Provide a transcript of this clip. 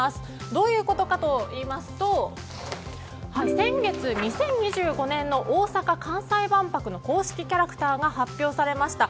どういうことかといいますと先月、２０２５年の大阪・関西万博の公式キャラクターが発表されました。